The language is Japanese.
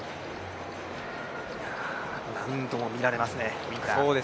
難度も見られますね。